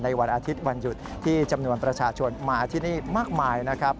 วันอาทิตย์วันหยุดที่จำนวนประชาชนมาที่นี่มากมายนะครับ